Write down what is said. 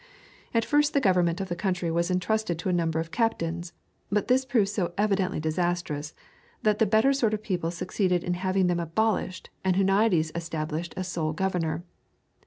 At first the government of the country was entrusted to a number of captains, but this proved so evidently disastrous that the better sort of people succeeded in having them abolished and Huniades established as sole governor.